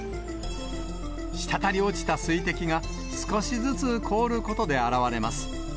滴り落ちた水滴が、少しずつ凍ることで現れます。